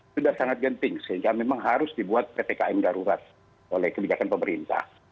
sudah sangat genting sehingga memang harus dibuat ppkm darurat oleh kebijakan pemerintah